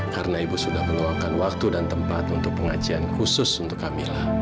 karena ibu sudah meluangkan waktu dan tempat untuk pengajian khusus untuk kamila